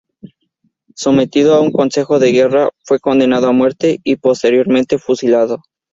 Sometido a un Consejo de guerra, fue condenado a muerte y posteriormente fusilado.